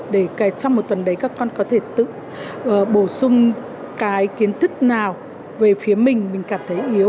để trong một tuần đấy các con có thể tự bổ sung cái kiến thức nào về phía mình mình cảm thấy yếu